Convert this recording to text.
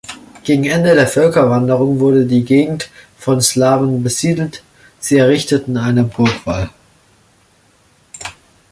Gegen Ende der Völkerwanderung wurde die Gegend von Slawen besiedelt, sie errichteten einen Burgwall.